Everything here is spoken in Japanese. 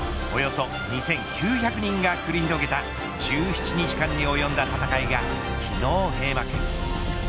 およそ２９００人が繰り広げた１７日間に及んだ戦いが昨日閉幕。